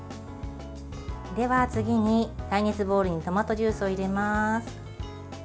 では次に、耐熱ボウルにトマトジュースを入れます。